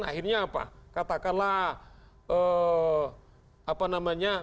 akhirnya apa katakanlah apa namanya